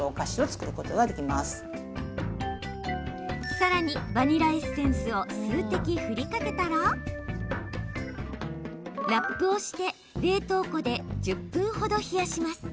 さらに、バニラエッセンスを数滴振りかけたらラップをして冷凍室で１０分ほど冷やします。